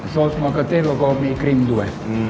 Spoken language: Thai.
ซอสมะเขือเทศแล้วก็มีครีมด้วย